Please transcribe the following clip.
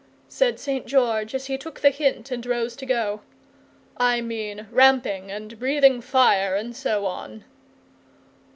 said St. George, as he took the hint and rose to go; "I mean ramping, and breathing fire, and so on!"